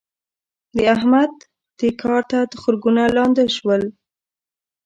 د احمد؛ دې کار ته تخرګونه لانده شول.